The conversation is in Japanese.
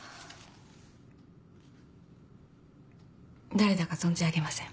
誰だか存じ上げません。